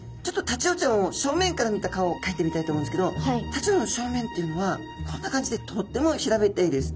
タチウオちゃんを正面から見た顔をかいてみたいと思うんですけどタチウオちゃんの正面っていうのはこんな感じでとっても平べったいです。